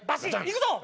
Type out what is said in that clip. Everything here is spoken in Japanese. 行くぞ！